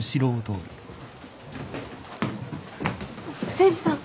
誠治さん。